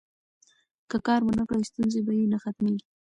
که کار ونکړي، ستونزې به یې نه ختمیږي.